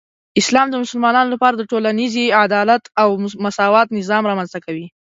اسلام د مسلمانانو لپاره د ټولنیزې عدالت او مساوات نظام رامنځته کوي.